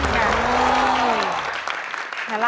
แต่เลือดมันยั้งจะออกเยอะอยู่นะ